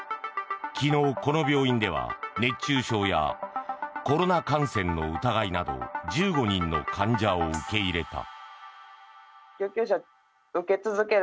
昨日、この病院では熱中症やコロナ感染の疑いなど１５人の患者を受け入れた。